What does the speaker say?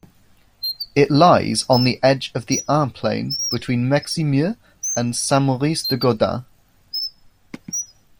It lies on the edge of the Ain plain between Meximieux and Saint-Maurice-de-Gourdans.